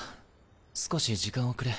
少し時間をくれ。